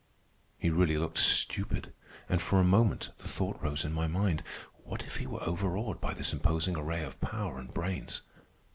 He really looked stupid. And for a moment the thought rose in my mind, What if he were overawed by this imposing array of power and brains?